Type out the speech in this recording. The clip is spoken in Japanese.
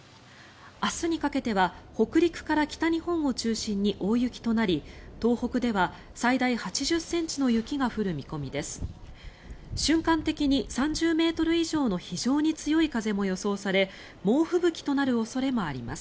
明日にかけては北陸から北日本を中心に大雪となり東北では最大８０ｃｍの雪が降る見込みです。